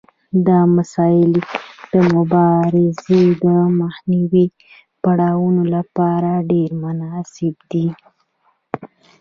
دا مسایل د مبارزې د منځنیو پړاوونو لپاره ډیر مناسب دي.